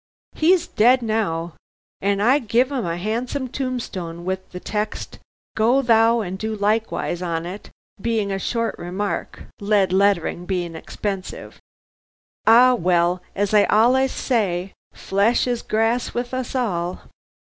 He's dead now, an' I gave 'im a 'andsome tombstone with the text: 'Go thou and do likewise' on it, being a short remark, lead letterin' being expensive. Ah well, as I allays say, 'Flesh is grass with us all.'"